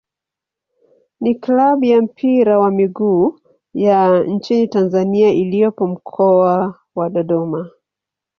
ni klabu ya mpira wa miguu ya nchini Tanzania iliyopo Mkoa wa Dodoma.